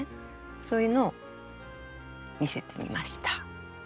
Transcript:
そういうのを見せてみました。